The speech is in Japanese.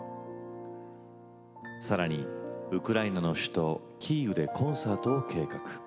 さらにウクライナの首都キーウでコンサートを計画。